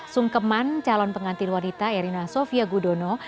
sungkeman calon pengantin wanita erina sofia gudono